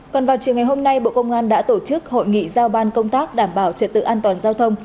còn vào chiều ngày hôm nay bộ công an đã tổ chức hội nghị giao ban công tác đảm bảo trật tự an toàn giao thông